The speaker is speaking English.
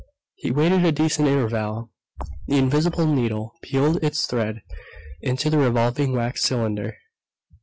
He waited a decent interval. The invisible needle peeled its thread into the revolving wax cylinder.